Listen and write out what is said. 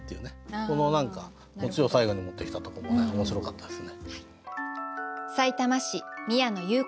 このオチを最後に持ってきたとこもね面白かったですね。